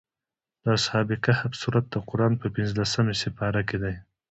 د اصحاب کهف سورت د قران په پنځلسمه سېپاره کې دی.